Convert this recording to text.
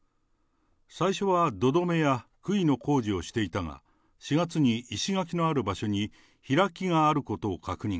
最初は土留めやくいの工事をしていたが、４月に石垣がある場所に開きがあることを確認。